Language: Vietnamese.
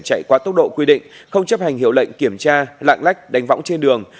chạy qua tốc độ quy định không chấp hành hiệu lệnh kiểm tra lạng lách đánh võng trên đường